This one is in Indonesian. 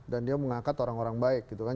dan dia mengangkat orang orang baik gitu kan